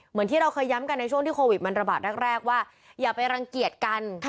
เหมือนที่เราเคยย้ำกันในช่วงที่โควิดมันระบาดแรกว่าอย่าไปรังเกียจกัน